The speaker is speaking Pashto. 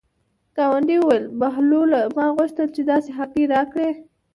ګاونډي یې وویل: بهلوله ما غوښتل چې داسې هګۍ راکړې.